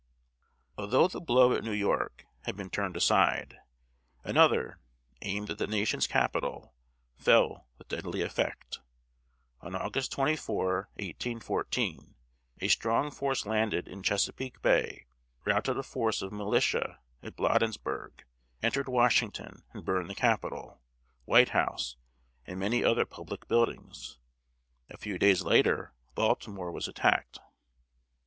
Although the blow at New York had been turned aside, another, aimed at the Nation's Capital, fell with deadly effect. On August 24, 1814, a strong force landed in Chesapeake Bay, routed a force of militia at Bladensburg, entered Washington, and burned the Capitol, White House, and many other public buildings. A few days later, Baltimore was attacked.